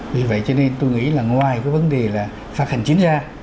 vì vậy cho nên tôi nghĩ là ngoài cái vấn đề là phạt hành chính ra